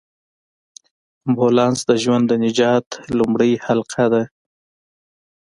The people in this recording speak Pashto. امبولانس د ژوند د نجات لومړۍ حلقه ده.